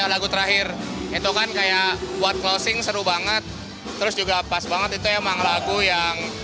lagu terakhir itu kan kayak buat closing seru banget terus juga pas banget itu emang lagu yang